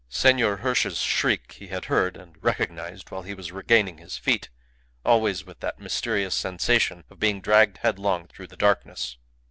Senor Hirsch's shriek he had heard and recognized while he was regaining his feet, always with that mysterious sensation of being dragged headlong through the darkness.